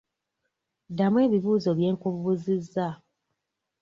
Ddamu ebibuuzo bye nkubuuzizza.